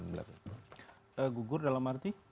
kegugur dalam arti